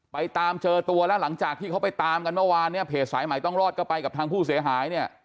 ตามเจอตัวแล้วหลังจากที่เขาไปตามกันเมื่อวานเนี่ยเพจสายใหม่ต้องรอดก็ไปกับทางผู้เสียหายเนี่ย